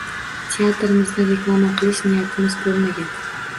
Teatrimizni reklama qilish niyatimiz bo‘lmagan.